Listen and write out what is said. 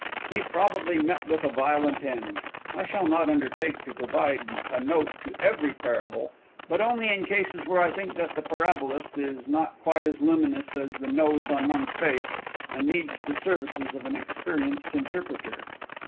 He probably met with a violent end. I shall not undertake to provide a note to every parable, but only in cases where I think that the Parabolist is not quite as luminous as the nose on one's face, and needs the services of an experienced interpreter.